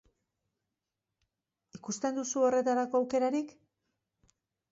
Ikusten duzu horretarako aukerarik?